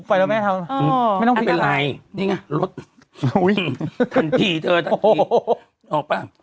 ไปแล้วแม่เธอเออไม่ต้องเป็นไรนี่ไงรถอุ้ยท่านพี่เธอท่านพี่โอ้โหออกปะ